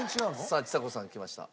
さあちさ子さんきました。